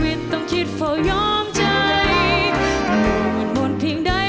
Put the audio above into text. สัตว์ธุหน้าในไม่เกรงกริ่ง